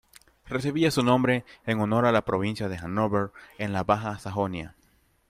Recibía su nombre en honor a la provincia de Hannover en la Baja Sajonia.